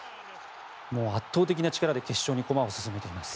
もう圧倒的な力で決勝に駒を進めています。